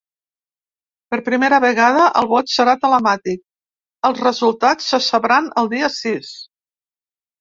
Per primera vegada el vot serà telemàtic, els resultats se sabran el dia sis.